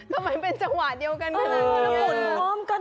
ทำไมเป็นจังหวะเดียวกันกันนะคุณ